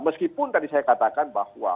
meskipun tadi saya katakan bahwa